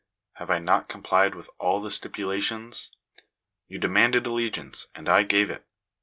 Have I not complied with all the stipulations ? You demanded allegiance, and I gave it.